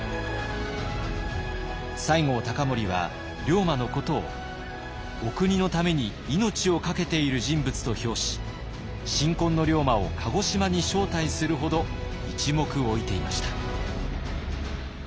西郷隆盛は龍馬のことをお国のために命をかけている人物と評し新婚の龍馬を鹿児島に招待するほど一目置いていました。